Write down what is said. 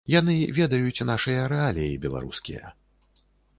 Яны ведаюць нашыя рэаліі беларускія.